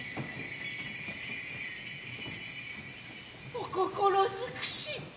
お心づくし